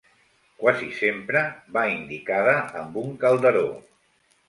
Quasi sempre va indicada amb un calderó.